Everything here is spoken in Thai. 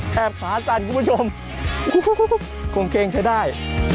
แค่ผาสันคุณผู้ชมคงเค้งใช้ได้